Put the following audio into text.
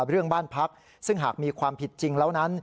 เรื่องบ้านพักซึ่งหากมีความผิดจริงแล้วนั้น